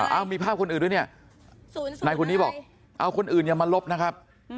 เอามีภาพคนอื่นด้วยเนี่ยนายคนนี้บอกเอาคนอื่นอย่ามาลบนะครับ